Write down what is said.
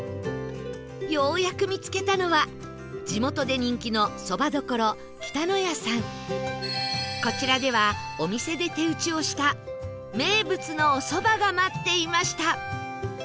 ようやく見つけたのは地元で人気のこちらではお店で手打ちをした名物のおそばが待っていました